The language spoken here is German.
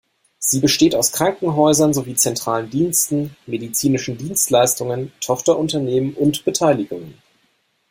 Sie besteht aus Krankenhäusern sowie zentralen Diensten, medizinischen Dienstleistungen, Tochterunternehmen und Beteiligungen.